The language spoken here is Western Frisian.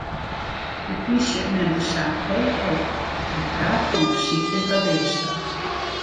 De polysje nimt de saak heech op en praat fan besykjen ta deaslach.